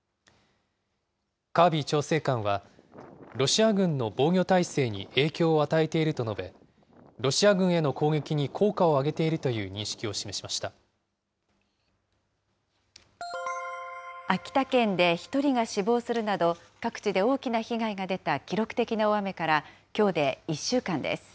カービー調整官は、ロシア軍の防御態勢に影響を与えていると述べ、ロシア軍への攻撃に効果を上げて秋田県で１人が死亡するなど、各地で大きな被害が出た記録的な大雨から、きょうで１週間です。